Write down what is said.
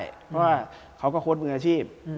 เพราะว่าเขาก็โฆษณ์ปืนอาชีพ